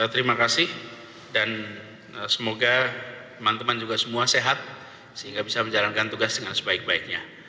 terima kasih dan semoga teman teman juga semua sehat sehingga bisa menjalankan tugas dengan sebaik baiknya